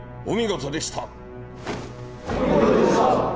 お見事でした！